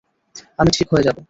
আমি ঠিক হয়ে যাব।